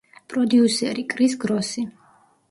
პროდიუსერი: კრის გროსი.